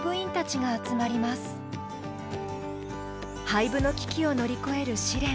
廃部の危機を乗り越える試練。